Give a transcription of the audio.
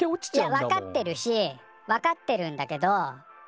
いやわかってるしわかってるんだけど。